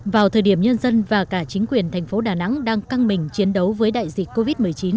vào thời điểm nhân dân và cả chính quyền thành phố đà nẵng đang căng mình chiến đấu với đại dịch covid một mươi chín